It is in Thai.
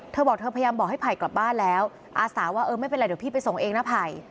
เธอบอกเธอพยายามบอกให้ไผ่กลับบ้านแล้วอาสาว่าเออไม่เป็นไรเดี๋ยวพี่ไปส่งเองนะไผ่